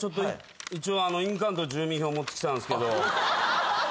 一応印鑑と住民票持ってきたんすけど。